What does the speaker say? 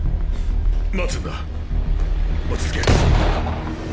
待つんだ落ち着け。